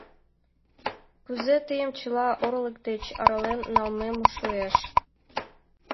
Кузе тыйым чыла орлык деч арален налмем шуэш.